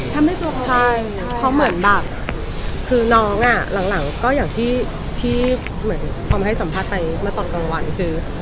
ทำได้ตรงเขาอีกใช่เพราะเหมือนแบบคือน้องอ่ะหลังหลังก็อย่างที่ที่เหมือนพอให้สัมภัยได้มาตอนกลางวันคือ